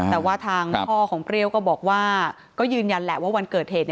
แต่ว่าทางพ่อของเปรี้ยวก็บอกว่าก็ยืนยันแหละว่าวันเกิดเหตุ